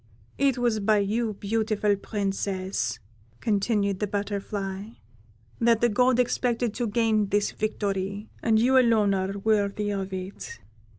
It was by you, beautiful Princess," continued the Butterfly, "that the God expected to gain this victory, and you alone are worthy of it.